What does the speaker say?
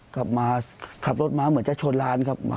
กลับมาขับรถม้าเหมือนจะชนร้านครับ